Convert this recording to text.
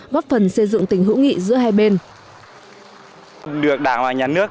góp phần xây dựng tình hữu nghị giữa hai bên